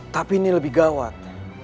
tapi ini lebih gawat